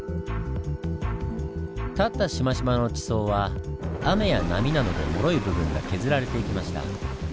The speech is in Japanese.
立ったシマシマの地層は雨や波などでもろい部分が削られていきました。